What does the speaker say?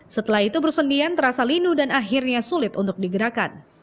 setelah itu persendian terasa linu dan akhirnya sulit untuk digerakkan